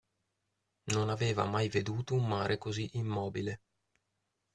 Non aveva mai veduto un mare così immobile.